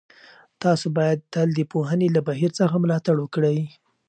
تاسو باید تل د پوهنې له بهیر څخه ملاتړ وکړئ.